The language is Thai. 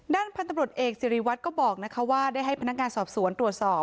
พันธุ์ตำรวจเอกสิริวัตรก็บอกว่าได้ให้พนักงานสอบสวนตรวจสอบ